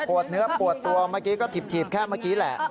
เนื้อปวดตัวเมื่อกี้ก็ถีบแค่เมื่อกี้แหละ